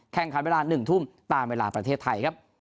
แข่งขันเวลา๑ทุ่มตามเวลาประเทศไทยครับ